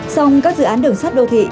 song các dự án đường sắt đô thị